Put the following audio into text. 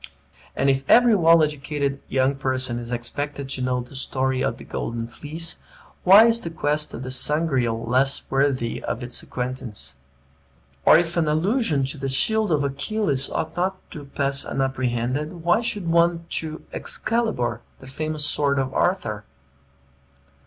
And if every well educated young person is expected to know the story of the Golden Fleece, why is the quest of the Sangreal less worthy of his acquaintance? Or if an allusion to the shield of Achilles ought not to pass unapprehended, why should one to Excalibar, the famous sword of Arthur?